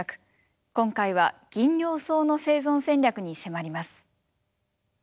今回はギンリョウソウの生存戦略に迫ります。